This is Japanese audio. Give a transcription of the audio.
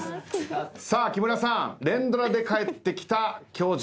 さあ木村さん連ドラで帰ってきた『教場』